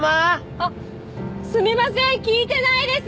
あっすみません聞いてないです